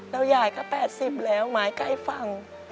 แล้วยายก็๘๐แล้วไม้ใกล้ฝั่ง